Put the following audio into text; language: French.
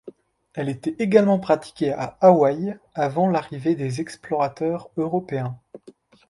Elle était également pratiquée à Hawaï avant l'arrivée des explorateurs européens.